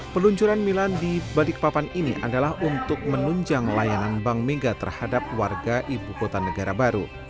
peluncuran milan di balikpapan ini adalah untuk menunjang layanan bank mega terhadap warga ibu kota negara baru